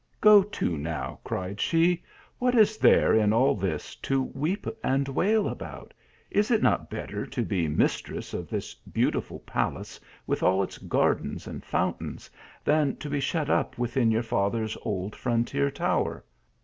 ; Go to, now !" cried she; " what is there in al) this to weep and wail about ? Is it not better to be mistress of this beautiful palace with all its gar dens and fountains, than to be shut up within your father s old frontier tower?